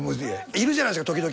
いるじゃないですか時々。